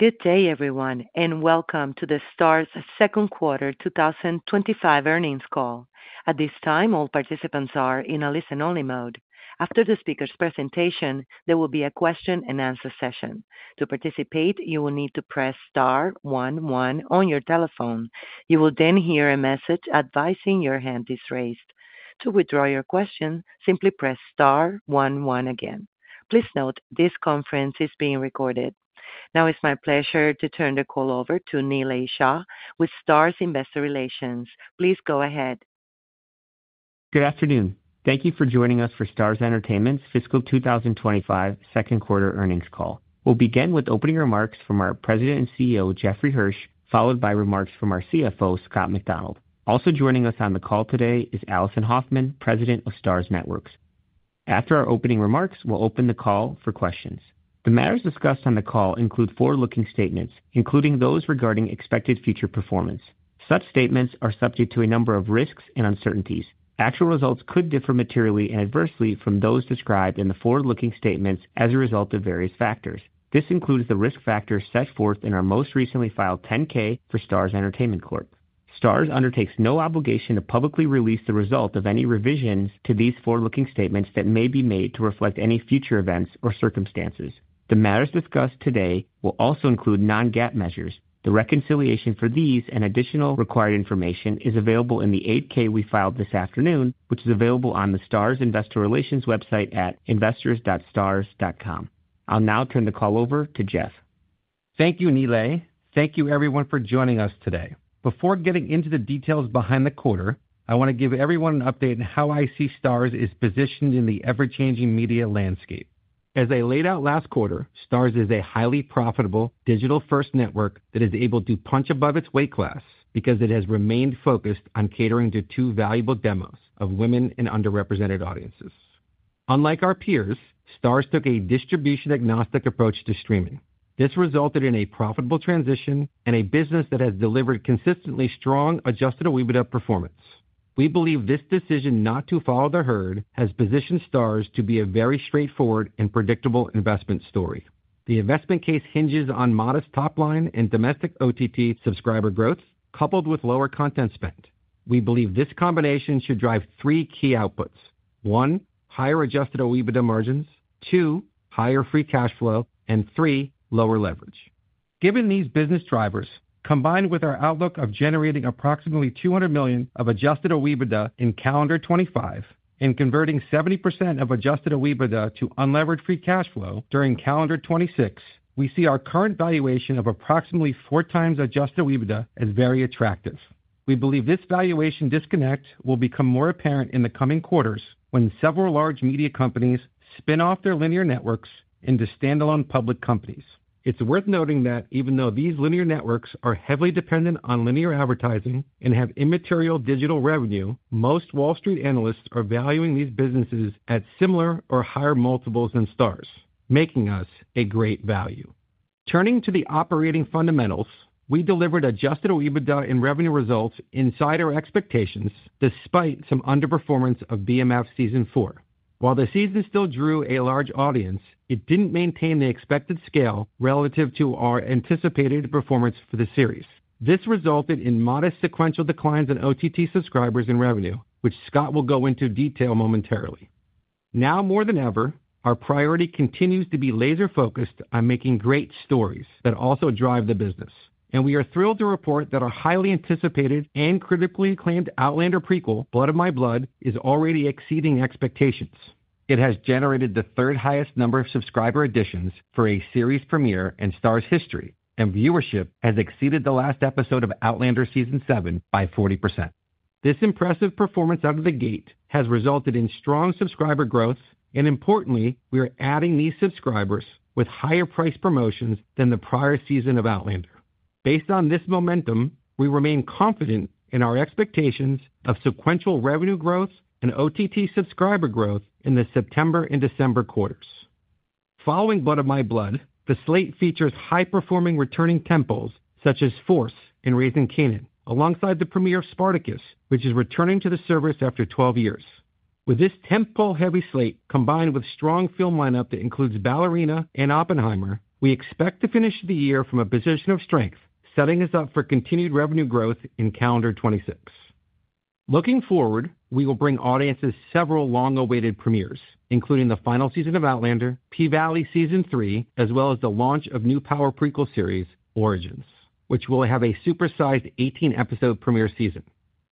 Good day, everyone, and welcome to the STARZ's Second Quarter 2025 Earnings Call. At this time, all participants are in a listen-only mode. After the speaker's presentation, there will be a question-and-answer session. To participate, you will need to press star one one on your telephone. You will then hear a message advising your hand is raised. To withdraw your question, simply press star one one again. Please note, this conference is being recorded. Now, it's my pleasure to turn the call over to Nilay Shah with STARZ Investor Relations. Please go ahead. Good afternoon. Thank you for joining us for STARZ Entertainment's Fiscal 2025 Second Quarter Earnings Call. We'll begin with opening remarks from our President and CEO, Jeffrey Hirsch, followed by remarks from our CFO, Scott Macdonald. Also joining us on the call today is Alison Hoffman, President of STARZ Networks. After our opening remarks, we'll open the call for questions. The matters discussed on the call include forward-looking statements, including those regarding expected future performance. Such statements are subject to a number of risks and uncertainties. Actual results could differ materially and adversely from those described in the forward-looking statements as a result of various factors. This includes the risk factors set forth in our most recently filed 10-K for STARZ Entertainment Corp. STARZ undertakes no obligation to publicly release the result of any revisions to these forward-looking statements that may be made to reflect any future events or circumstances. The matters discussed today will also include non-GAAP measures. The reconciliation for these and additional required information is available in the 8-K we filed this afternoon, which is available on the STARZ Investor Relations website at investors.starz.com. I'll now turn the call over to Jeff. Thank you, Nilay. Thank you, everyone, for joining us today. Before getting into the details behind the quarter, I want to give everyone an update on how I see STARZ as positioned in the ever-changing media landscape. As I laid out last quarter, STARZ is a highly profitable digital-first network that is able to punch above its weight class because it has remained focused on catering to two valuable demos of women and underrepresented audiences. Unlike our peers, STARZ took a distribution-agnostic approach to streaming. This resulted in a profitable transition and a business that has delivered consistently strong adjusted OIBDA performance. We believe this decision not to follow the herd has positioned STARZ to be a very straightforward and predictable investment story. The investment case hinges on modest top-line and domestic OTT subscriber growth, coupled with lower content spend. We believe this combination should drive three key outputs: one, higher adjusted OIBDA margins; two, higher free cash flow; and three, lower leverage. Given these business drivers, combined with our outlook of generating approximately $200 million of adjusted OIBDA in calendar 2025 and converting 70% of adjusted OIBDA to unleveraged free cash flow during calendar 2026, we see our current valuation of approximately 4x adjusted OIBDA as very attractive. We believe this valuation disconnect will become more apparent in the coming quarters when several large media companies spin off their linear networks into standalone public companies. It's worth noting that even though these linear networks are heavily dependent on linear advertising and have immaterial digital revenue, most Wall Street analysts are valuing these businesses at similar or higher multiples than STARZ, making us a great value. Turning to the operating fundamentals, we delivered adjusted OIBDA and revenue results inside our expectations despite some underperformance of BMF Season 4. While the season still drew a large audience, it didn't maintain the expected scale relative to our anticipated performance for the series. This resulted in modest sequential declines in OTT subscribers and revenue, which Scott will go into detail momentarily. Now more than ever, our priority continues to be laser-focused on making great stories that also drive the business. We are thrilled to report that our highly anticipated and critically acclaimed Outlander prequel, Blood of My Blood, is already exceeding expectations. It has generated the third-highest number of subscriber additions for a series premiere in STARZ history, and viewership has exceeded the last episode of Outlander Season 7 by 40%. This impressive performance out of the gate has resulted in strong subscriber growth, and importantly, we are adding these subscribers with higher price promotions than the prior season of Outlander. Based on this momentum, we remain confident in our expectations of sequential revenue growth and OTT subscriber growth in the September and December quarters. Following Blood of My Blood, the slate features high-performing returning tentpoles such as Force and Raising Kanan, alongside the premiere of Spartacus, which is returning to the service after 12 years. With this tentpole-heavy slate combined with a strong film lineup that includes Ballerina and Oppenheimer, we expect to finish the year from a position of strength, setting us up for continued revenue growth in calendar 2026. Looking forward, we will bring audiences several long-awaited premieres, including the final season of Outlander, P-Valley Season 3, as well as the launch of the new Power prequel series, Origins, which will have a supersized 18-episode premiere season.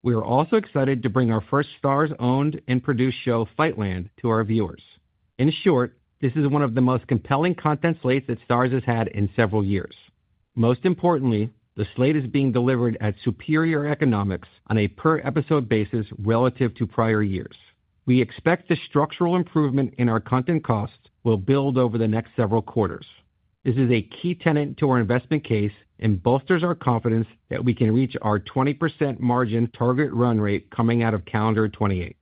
We are also excited to bring our first STARZ-owned and produced show, Fightland, to our viewers. In short, this is one of the most compelling content slates that STARZ has had in several years. Most importantly, the slate is being delivered at superior economics on a per-episode basis relative to prior years. We expect the structural improvement in our content cost will build over the next several quarters. This is a key tenet to our investment case and bolsters our confidence that we can reach our 20% margin target run rate coming out of calendar 2028.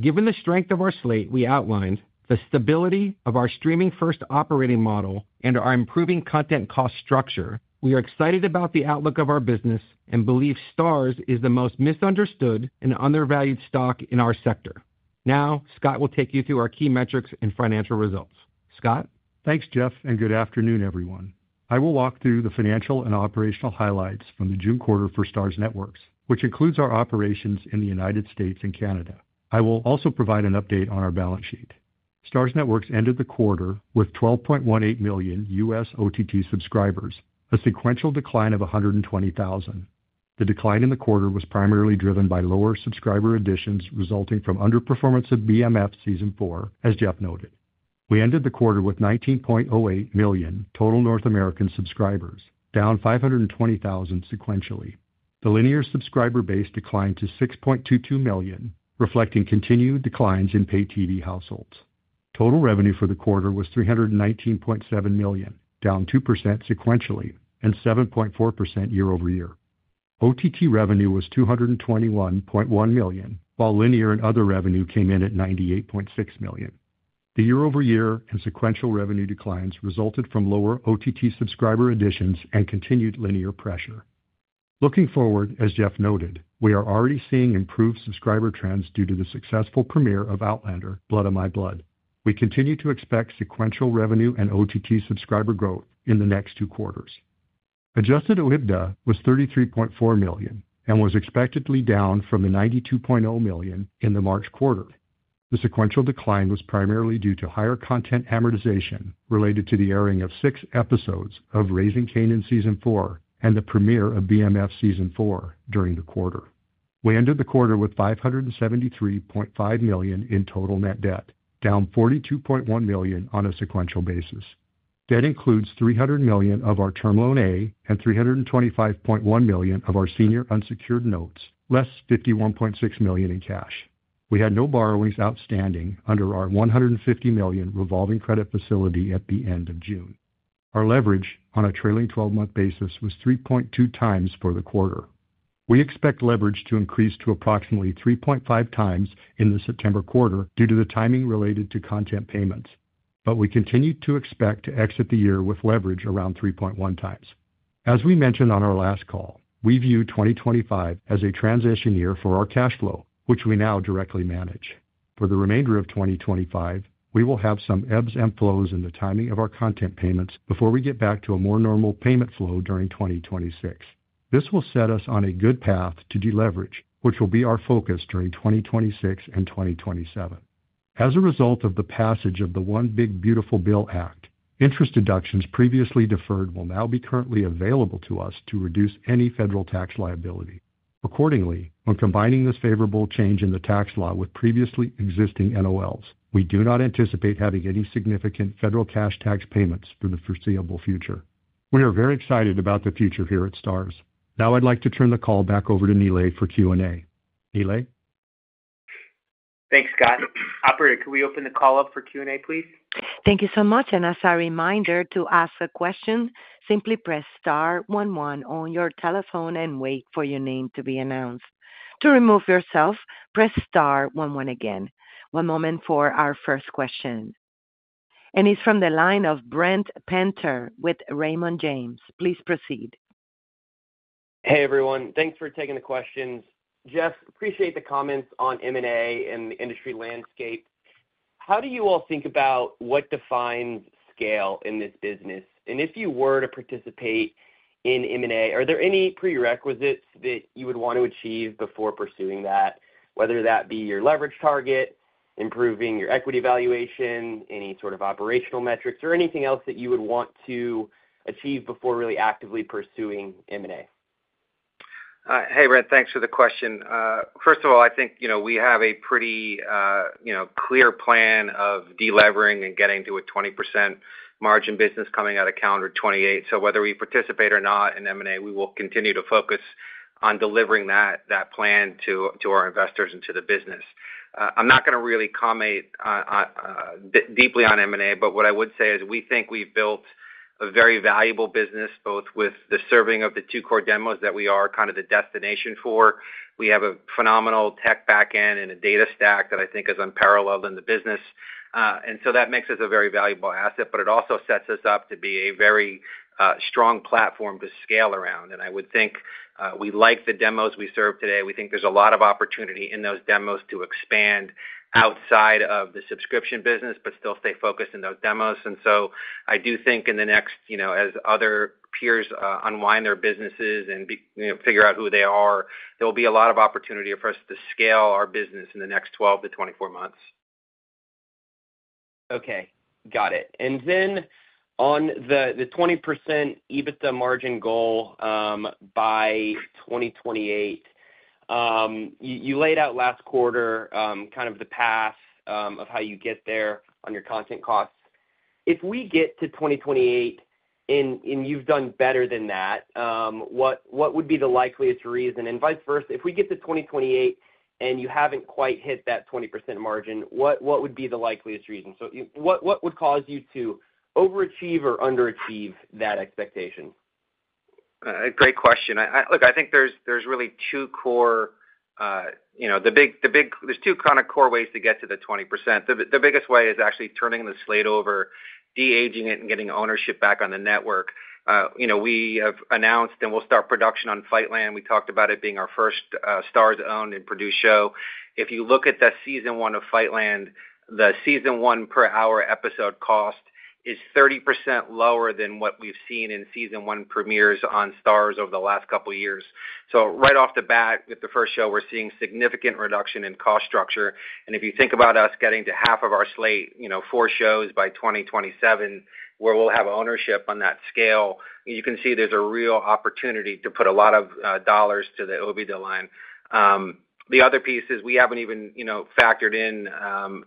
Given the strength of our slate we outlined, the stability of our streaming-first operating model, and our improving content cost structure, we are excited about the outlook of our business and believe STARZ is the most misunderstood and undervalued stock in our sector. Now, Scott will take you through our key metrics and financial results. Scott? Thanks, Jeff, and good afternoon, everyone. I will walk through the financial and operational highlights from the June quarter for STARZ Networks, which includes our operations in the United States and Canada. I will also provide an update on our balance sheet. STARZ Networks ended the quarter with 12.18 million U.S. OTT subscribers, a sequential decline of 120,000. The decline in the quarter was primarily driven by lower subscriber additions resulting from underperformance of BMF Season 4, as Jeff noted. We ended the quarter with 19.08 million total North American subscribers, down 520,000 sequentially. The linear subscriber base declined to 6.22 million, reflecting continued declines in pay-TV households. Total revenue for the quarter was $319.7 million, down 2% sequentially and 7.4% year-over-year. OTT revenue was $221.1 million, while linear and other revenue came in at $98.6 million. The year-over-year and sequential revenue declines resulted from lower OTT subscriber additions and continued linear pressure. Looking forward, as Jeff noted, we are already seeing improved subscriber trends due to the successful premiere of Outlander, Blood of My Blood. We continue to expect sequential revenue and OTT subscriber growth in the next two quarters. Adjusted OIBDA was $33.4 million and was expected to be down from the $92.0 million in the March quarter. The sequential decline was primarily due to higher content amortization related to the airing of six episodes of Raising Kanan Season 4 and the premiere of BMF Season 4 during the quarter. We ended the quarter with $573.5 million in total net debt, down $42.1 million on a sequential basis. Debt includes $300 million of our Term Loan A and $325.1 million of our senior unsecured notes, less $51.6 million in cash. We had no borrowings outstanding under our $150 million revolving credit facility at the end of June. Our leverage on a trailing 12-month basis was 3.2x for the quarter. We expect leverage to increase to approximately 3.5x in the September quarter due to the timing related to content payments, but we continue to expect to exit the year with leverage around 3.1x. As we mentioned on our last call, we view 2025 as a transition year for our cash flow, which we now directly manage. For the remainder of 2025, we will have some ebbs and flows in the timing of our content payments before we get back to a more normal payment flow during 2026. This will set us on a good path to deleverage, which will be our focus during 2026 and 2027. As a result of the passage of the One Big Beautiful Bill Act, interest deductions previously deferred will now be currently available to us to reduce any federal tax liability. Accordingly, when combining this favorable change in the tax law with previously existing NOLs, we do not anticipate having any significant federal cash tax payments in the foreseeable future. We are very excited about the future here at STARZ. Now I'd like to turn the call back over to Nilay for Q&A. Nilay? Thanks, Scott. Operator, can we open the call up for Q&A, please? Thank you so much. As a reminder, to ask a question, simply press star one one on your telephone and wait for your name to be announced. To remove yourself, press star one one again. One moment for our first question. It's from the line of Brent Penter with Raymond James. Please proceed. Hey, everyone. Thanks for taking the questions. Jeff, appreciate the comments on M&A and the industry landscape. How do you all think about what defines scale in this business? If you were to participate in M&A, are there any prerequisites that you would want to achieve before pursuing that, whether that be your leverage target, improving your equity valuation, any sort of operational metrics, or anything else that you would want to achieve before really actively pursuing M&A? Hey, Brent. Thanks for the question. First of all, I think we have a pretty clear plan of deleveraging and getting to a 20% margin business coming out of calendar 2028. Whether we participate or not in M&A, we will continue to focus on delivering that plan to our investors and to the business. I'm not going to really comment deeply on M&A, but what I would say is we think we've built a very valuable business, both with the serving of the two core demos that we are kind of the destination for. We have a phenomenal tech backend and a data stack that I think is unparalleled in the business. That makes us a very valuable asset, but it also sets us up to be a very strong platform to scale around. I would think we like the demos we serve today. We think there's a lot of opportunity in those demos to expand outside of the subscription business, but still stay focused in those demos. I do think in the next, as other peers unwind their businesses and figure out who they are, there will be a lot of opportunity for us to scale our business in the next 12-24 months. Okay. Got it. On the 20% EBITDA margin goal by 2028, you laid out last quarter kind of the path of how you get there on your content costs. If we get to 2028, and you've done better than that, what would be the likeliest reason? If we get to 2028 and you haven't quite hit that 20% margin, what would be the likeliest reason? What would cause you to overachieve or underachieve that expectation? Great question. Look, I think there's really two core, you know, the big, there's two kind of core ways to get to the 20%. The biggest way is actually turning the slate over, de-aging it, and getting ownership back on the network. We have announced and we'll start production on Fightland. We talked about it being our first STARZ-owned and produced show. If you look at the season one of Fightland, the season one per hour episode cost is 30% lower than what we've seen in season one premieres on STARZ over the last couple of years. Right off the bat with the first show, we're seeing a significant reduction in cost structure. If you think about us getting to half of our slate, four shows by 2027, where we'll have ownership on that scale, you can see there's a real opportunity to put a lot of dollars to the OIBDA line. The other piece is we haven't even factored in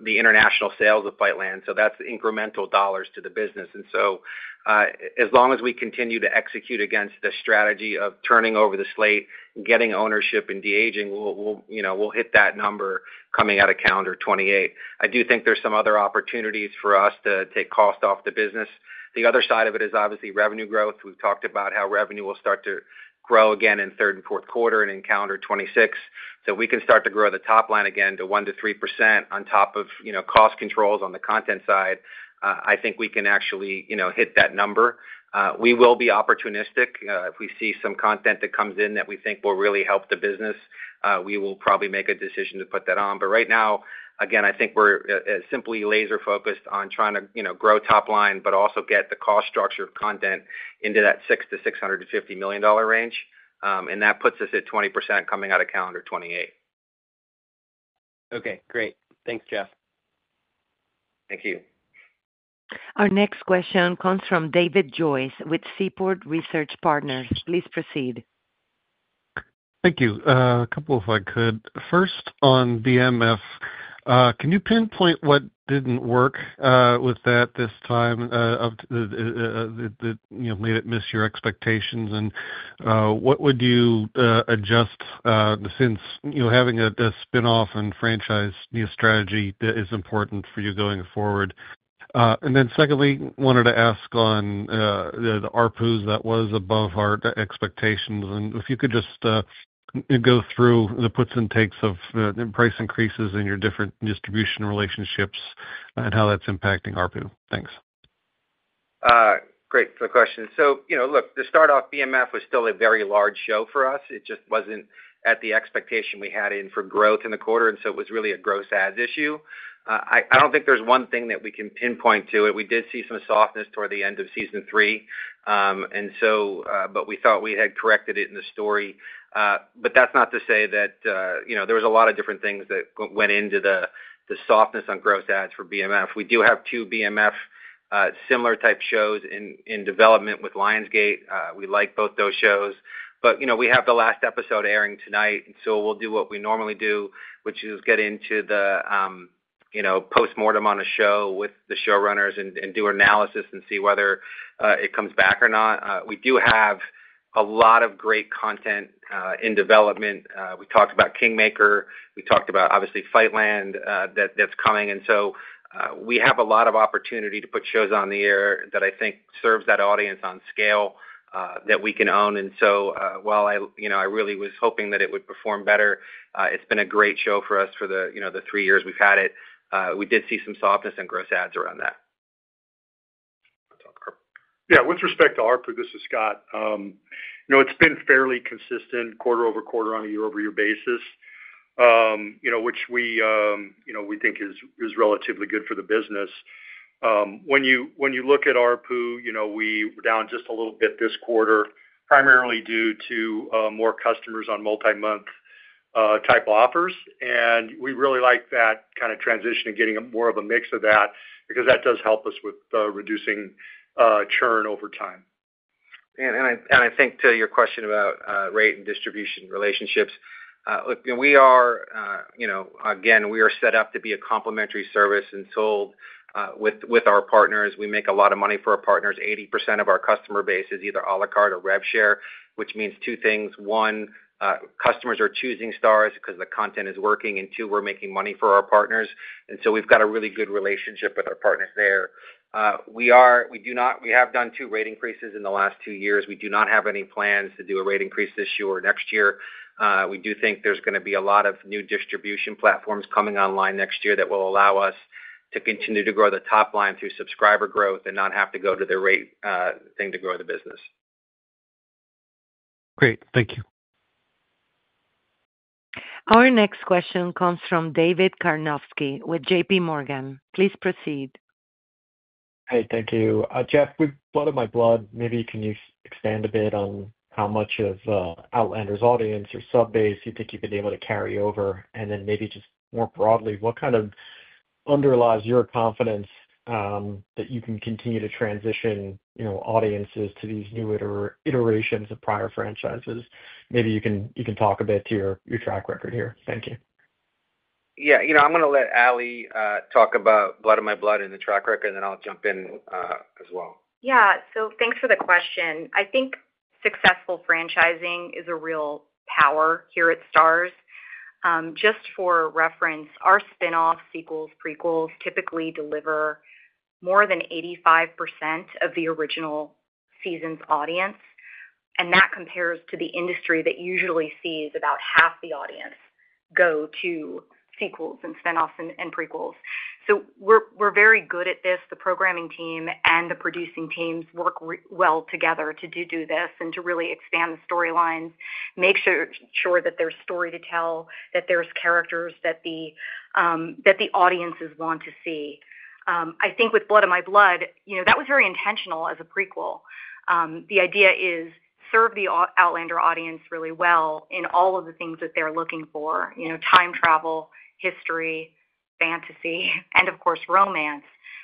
the international sales of Fightland. That's incremental dollars to the business. As long as we continue to execute against the strategy of turning over the slate, getting ownership, and de-aging, we'll hit that number coming out of calendar 2028. I do think there's some other opportunities for us to take cost off the business. The other side of it is obviously revenue growth. We've talked about how revenue will start to grow again in third and fourth quarter and in calendar 2026. If we can start to grow the top line again to 1%-3% on top of cost controls on the content side, I think we can actually hit that number. We will be opportunistic. If we see some content that comes in that we think will really help the business, we will probably make a decision to put that on. Right now, I think we're simply laser-focused on trying to grow top line, but also get the cost structure of content into that $600 million-$650 million range. That puts us at 20% coming out of calendar 2028. Okay. Great. Thanks, Jeff. Thank you. Our next question comes from David Joyce with Seaport Research Partners. Please proceed. Thank you. A couple, if I could. First on BMF, can you pinpoint what didn't work with that this time that, you know, made it miss your expectations? What would you adjust since, you know, having a spin-off and franchise new strategy that is important for you going forward? Secondly, I wanted to ask on the ARPU that was above our expectations. If you could just go through the puts and takes of price increases in your different distribution relationships and how that's impacting ARPU. Thanks. Great for the question. To start off, BMF was still a very large show for us. It just wasn't at the expectation we had in for growth in the quarter, and it was really a gross ads issue. I don't think there's one thing that we can pinpoint to it. We did see some softness toward the end of season three, and we thought we had corrected it in the story. That's not to say that there was not a lot of different things that went into the softness on gross ads for BMF. We do have two BMF similar type shows in development with Lionsgate. We like both those shows. We have the last episode airing tonight, and we'll do what we normally do, which is get into the postmortem on a show with the showrunners and do analysis and see whether it comes back or not. We do have a lot of great content in development. We talked about Kingmaker. We talked about obviously Fightland that's coming, and we have a lot of opportunity to put shows on the air that I think serve that audience on scale that we can own. While I really was hoping that it would perform better, it's been a great show for us for the three years we've had it. We did see some softness in gross ads around that. Yeah, with respect to ARPU, this is Scott. It's been fairly consistent quarter over quarter on a year over year basis, which we think is relatively good for the business. When you look at ARPU, we were down just a little bit this quarter, primarily due to more customers on multi-month type offers. We really like that kind of transition and getting more of a mix of that because that does help us with reducing churn over time. I think to your question about rate and distribution relationships, we are set up to be a complimentary service and sold with our partners. We make a lot of money for our partners. 80% of our customer base is either à la carte or revenue share, which means two things. One, customers are choosing STARZ because the content is working, and two, we're making money for our partners. We've got a really good relationship with our partners there. We have done two rate increases in the last two years. We do not have any plans to do a rate increase this year or next year. We do think there's going to be a lot of new distribution platforms coming online next year that will allow us to continue to grow the top line through subscriber growth and not have to go to the rate thing to grow the business. Great. Thank you. Our next question comes from David Karnovsky with JPMorgan. Please proceed. Hey, thank you. Jeff, with Blood of My Blood, maybe you can expand a bit on how much of Outlander's audience or sub-base you think you've been able to carry over. Maybe just more broadly, what kind of underlies your confidence that you can continue to transition, you know, audiences to these new iterations of prior franchises? Maybe you can talk a bit to your track record here. Thank you. Yeah, you know, I'm going to let Alison talk about Blood of My Blood and the track record, and then I'll jump in as well. Yeah, thanks for the question. I think successful franchising is a real power here at STARZ. Just for reference, our spin-offs, sequels, prequels typically deliver more than 85% of the original season's audience. That compares to the industry that usually sees about half the audience go to sequels and spin-offs and prequels. We're very good at this. The programming team and the producing teams work well together to do this and to really expand the storyline, make sure that there's story to tell, that there's characters that the audiences want to see. I think with Blood of My Blood, that was very intentional as a prequel. The idea is to serve the Outlander audience really well in all of the things that they're looking for, time travel, history, fantasy, and of course, romance,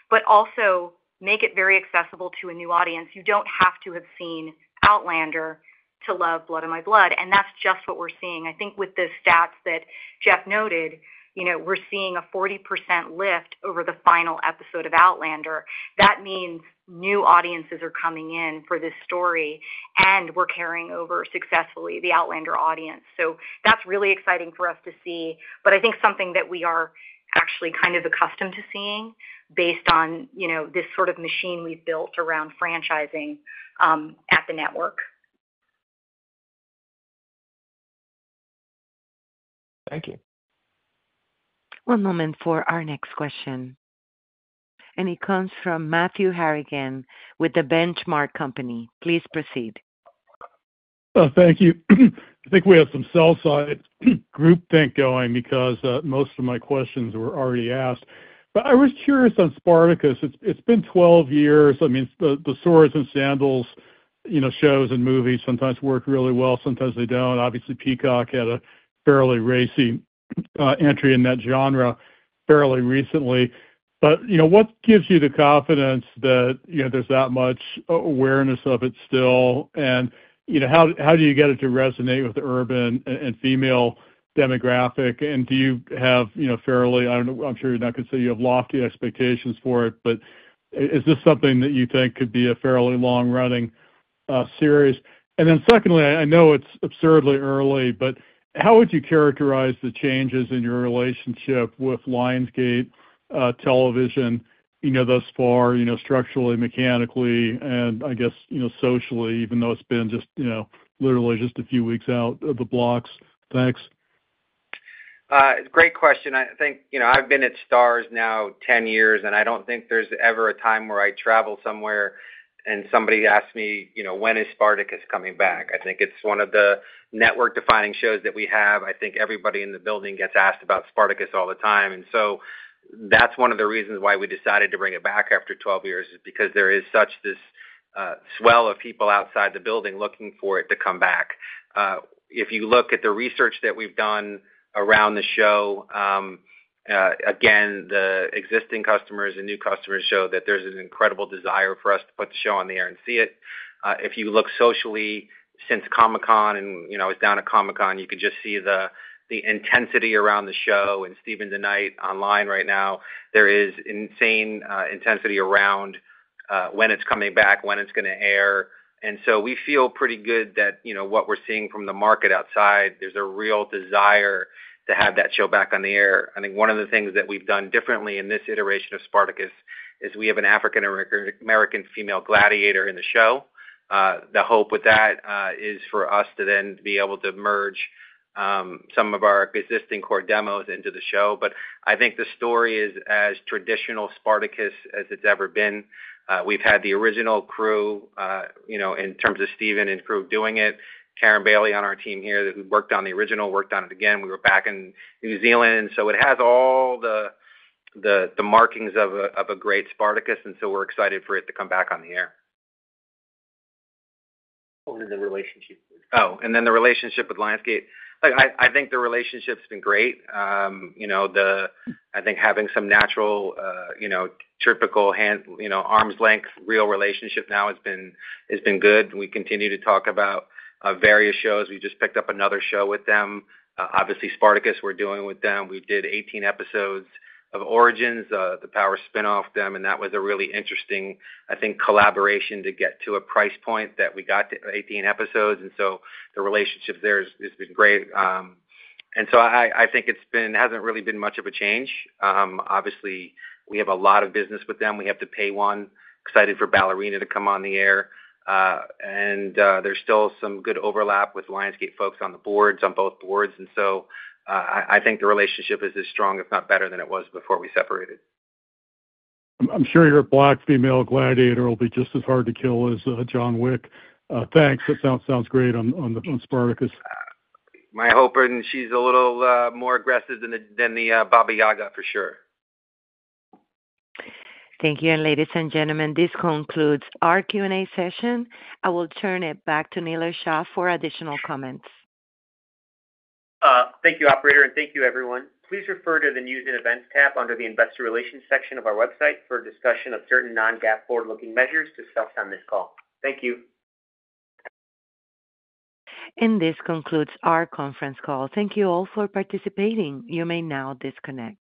but also make it very accessible to a new audience. You don't have to have seen Outlander to love Blood of My Blood. That's just what we're seeing. I think with the stats that Jeff noted, we're seeing a 40% lift over the final episode of Outlander. That means new audiences are coming in for this story, and we're carrying over successfully the Outlander audience. That's really exciting for us to see. I think that's something that we are actually kind of accustomed to seeing based on this sort of machine we've built around franchising at the network. Thank you. One moment for our next question. It comes from Matthew Harrigan with The Benchmark Company. Please proceed. Thank you. I think we have some Southside group thing going because most of my questions were already asked. I was curious on Spartacus. It's been 12 years. The swords and sandals, you know, shows and movies sometimes work really well. Sometimes they don't. Obviously, Peacock had a fairly racy entry in that genre fairly recently. What gives you the confidence that there's that much awareness of it still? How do you get it to resonate with the urban and female demographic? Do you have, you know, fairly, I don't know, I'm sure you're not going to say you have lofty expectations for it, but is this something that you think could be a fairly long-running series? Secondly, I know it's absurdly early, but how would you characterize the changes in your relationship with Lionsgate television, you know, thus far, structurally, mechanically, and I guess, socially, even though it's been just a few weeks out of the blocks? Thanks. Great question. I think, you know, I've been at STARZ now 10 years, and I don't think there's ever a time where I travel somewhere and somebody asks me, you know, when is Spartacus coming back? I think it's one of the network-defining shows that we have. I think everybody in the building gets asked about Spartacus all the time. That's one of the reasons why we decided to bring it back after 12 years, because there is such this swell of people outside the building looking for it to come back. If you look at the research that we've done around the show, again, the existing customers and new customers show that there's an incredible desire for us to put the show on the air and see it. If you look socially, since Comic-Con and, you know, it's down at Comic-Con, you can just see the intensity around the show and Stephen DeKnight online right now. There is insane intensity around when it's coming back, when it's going to air. We feel pretty good that, you know, what we're seeing from the market outside, there's a real desire to have that show back on the air. I think one of the things that we've done differently in this iteration of Spartacus is we have an African-American female gladiator in the show. The hope with that is for us to then be able to merge some of our existing core demos into the show. I think the story is as traditional Spartacus as it's ever been. We've had the original crew, you know, in terms of [Stephen DeKnight] and crew doing it, Karen Bailey on our team here that we worked on the original, worked on it again. We were back in New Zealand. It has all the markings of a great Spartacus. We're excited for it to come back on the air. Oh, and the relationship. Oh, and then the relationship with Lionsgate. I think the relationship's been great. I think having some natural, typical hand, arm's length real relationship now has been good. We continue to talk about various shows. We just picked up another show with them. Obviously, Spartacus we're doing with them. We did 18 episodes of Origins, the Power spin-off with them. That was a really interesting, I think, collaboration to get to a price point that we got to 18 episodes. The relationship there has been great. I think it hasn't really been much of a change. Obviously, we have a lot of business with them. We have to pay one. Excited for Ballerina to come on the air. There's still some good overlap with Lionsgate folks on the boards, on both boards. I think the relationship is as strong, if not better, than it was before we separated. I'm sure your black female gladiator will be just as hard to kill as John Wick. Thanks. That sounds great on Spartacus. My hope is she's a little more aggressive than the Baba Yaga, for sure. Thank you. Ladies and gentlemen, this concludes our Q&A session. I will turn it back to Nilay Shah for additional comments. Thank you, Operator, and thank you, everyone. Please refer to the News and Events tab under the Investor Relations section of our website for a discussion of certain non-GAAP forward-looking measures discussed on this call. Thank you. This concludes our conference call. Thank you all for participating. You may now disconnect.